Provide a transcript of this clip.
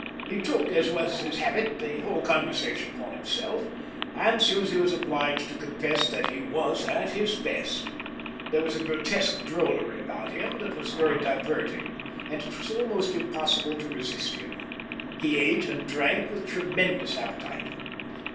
He took, as was his habit, the whole conversation upon himself, and Susie was obliged to confess that he was at his best. There was a grotesque drollery about him that was very diverting, and it was almost impossible to resist him. He ate and drank with tremendous appetite.